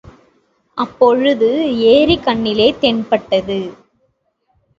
அப்பொழுது ஏரி கண்ணிலே தென்பட்டது.